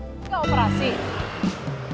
kalau udah tagi setoran gimana